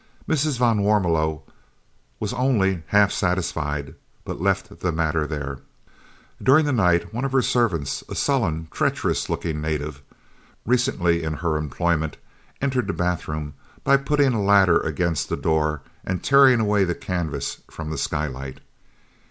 Mrs. van Warmelo was only half satisfied, but left the matter there. During the night one of her own servants, a sullen, treacherous looking native, recently in her employment, entered the bathroom by putting a ladder against the door and tearing away the canvas from the skylight.